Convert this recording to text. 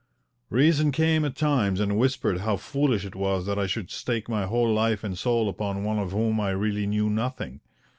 Reason came at times and whispered how foolish it was that I should stake my whole life and soul upon one of whom I really knew nothing.